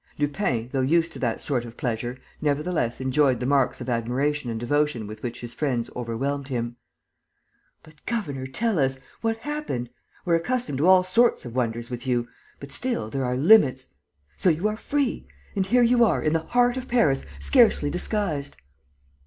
Lupin, though used to that sort of pleasure, nevertheless enjoyed the marks of admiration and devotion with which his friends overwhelmed him: "But, governor, tell us ... what happened? We're accustomed to all sorts of wonders with you; but still, there are limits. ... So you are free? And here you are, in the heart of Paris, scarcely disguised.